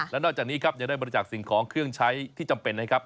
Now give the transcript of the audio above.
และนอกจากนี้ครับยังได้บริจาคสิ่งของเครื่องใช้ที่จำเป็นนะครับ